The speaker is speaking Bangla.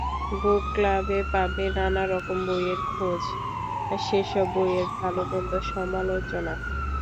বুক ক্লাবে পাবে নানা রকম বইয়ের খোঁজ, সেসব বইয়ের ভালো-মন্দ সমালোচনা।